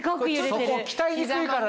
そこ鍛えにくいからね。